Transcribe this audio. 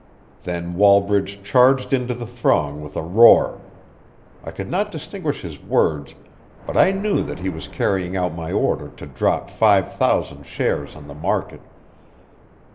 Then Wallbridge charged into the throng with a roar. I could not distinguish his words, but I knew that he was carrying out my order to drop five thousand shares on the market.